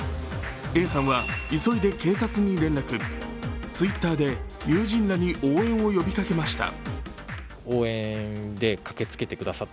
Ａさんは急いで警察に連絡、Ｔｗｉｔｔｅｒで友人らに応援を呼びかけました。